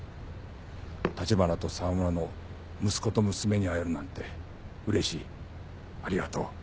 立花と澤村の息子と娘に会えるなんて嬉しいありがとう。